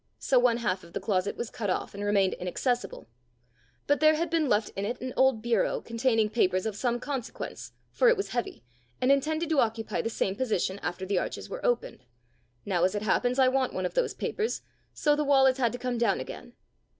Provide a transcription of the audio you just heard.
So one half of the closet was cut off, and remained inaccessible. But there had been left in it an old bureau, containing papers of some consequence, for it was heavy, and intended to occupy the same position after the arches were opened. Now, as it happens, I want one of those papers, so the wall has had to come down again."